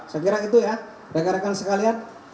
saya kira itu ya rekan rekan sekalian